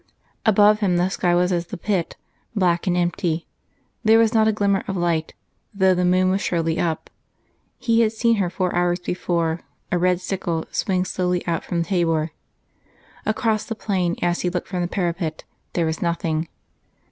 Above him the sky was as the pit, black and empty; there was not a glimmer of light, though the moon was surely up. He had seen her four hours before, a red sickle, swing slowly out from Thabor. Across the plain, as he looked from the parapet, there was nothing.